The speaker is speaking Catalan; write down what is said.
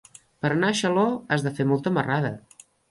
Per anar a Xaló has de fer molta marrada.